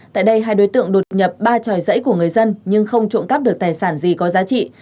tại đây hai đối tượng đột nhập ba tròi dãy của người dân nhưng không trộm cắp được tài sản gì có giá trị